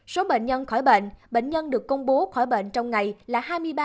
số bệnh nhân khỏi bệnh bệnh nhân được công bố khỏi bệnh trong ngày là hai mươi ba năm trăm sáu mươi tám